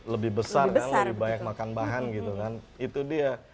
lebih besar kan lebih banyak makan bahan gitu kan itu dia